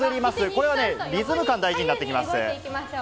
これはね、リズム感、大事になってきます。